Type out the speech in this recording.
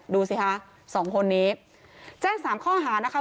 ดูสิคะสองคนนี้แจ้ง๓ข้อหานะคะ